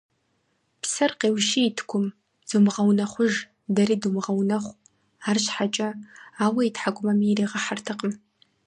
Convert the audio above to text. Псэр къеущиет Гум: «Зумыгъэунэхъуж! Дэри думыгъэунэхъу!», арщхьэкӀэ ауэ и тхьэкӀуми иригъэхьэртэкъым.